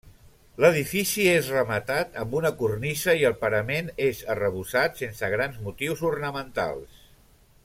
L'edifici és rematat amb una cornisa i el parament és arrebossat sense grans motius ornamentals.